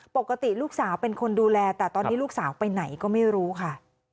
ปกติลูกสาวเป็นคนดูแลแต่ตอนนี้ลูกสาวไปไหนก็ไม่รู้ค่ะ